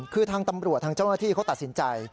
คือทางตำรวจทางเจ้าหน้าที่เขาตัดสินใจ